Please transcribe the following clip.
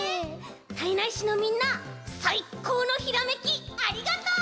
胎内市のみんなさいこうのひらめきありがとう！